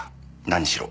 何しろ。